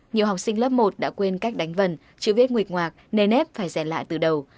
nhiều học sinh lớp một đã quên cách đánh vần chưa biết nguyệt ngoạc nề nếp phải dẹn lại từ đầu